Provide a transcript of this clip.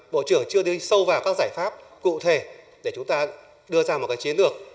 bộ trưởng chưa đi sâu vào các giải pháp cụ thể để chúng ta đưa ra một chiến lược